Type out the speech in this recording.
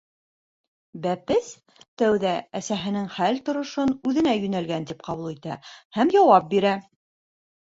Бәпес тәүҙә әсәһенең хәл-торошон үҙенә йүнәлгән тип ҡабул итә һәм яуап бирә.